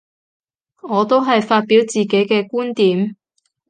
我都係發表自己嘅觀點